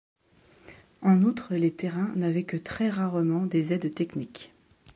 En outre les terrains n’avaient que très rarement des aides techniques.